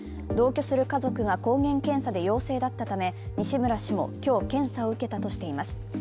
同居する家族が抗原検査で陽性だったため西村氏も今日、検査を受けたとしています。